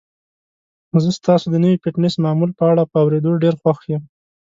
زه ستاسو د نوي فټنس معمول په اړه په اوریدو ډیر خوښ یم.